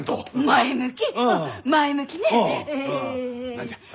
何じゃ？